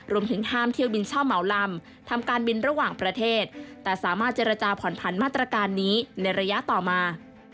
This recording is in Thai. รวมถึงห้ามเที่ยวบินเช่าเหมาลำทำการบินระหว่างประเทศแต่สามารถเจรจาผ่อนผันมาตรการนี้ในระยะต่อมา